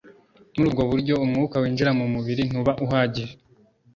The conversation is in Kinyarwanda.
muri ubwo buryo, umwuka winjira mu mubiri ntuba uhagije